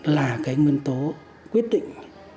là cái nguyên tố quyết định